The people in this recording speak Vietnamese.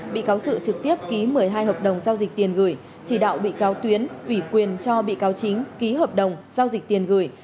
bị cáo sự trực tiếp ký một mươi hai hợp đồng giao dịch tiền gửi chỉ đạo bị cáo tuyến ủy quyền cho bị cáo chính ký hợp đồng giao dịch tiền gửi